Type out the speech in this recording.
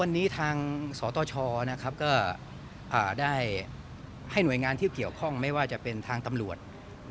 วันนี้ทางสตชนะครับก็ได้ให้หน่วยงานที่เกี่ยวข้องไม่ว่าจะเป็นทางตำรวจ